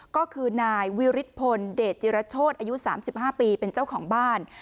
ก็คือนายวิฤทธพลเดชจิรโชธอายุ๓๕ปีเป็นเจ้าของบ้าน